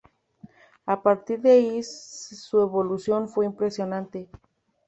A partir de ahí su evolución fue impresionante.